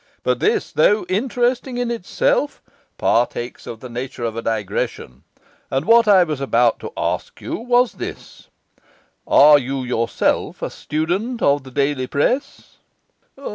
But this (though interesting in itself) partakes of the nature of a digression; and what I was about to ask you was this: Are you yourself a student of the daily press?